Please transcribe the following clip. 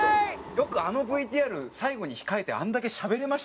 よくあのＶＴＲ最後に控えてあんだけしゃべれましたね。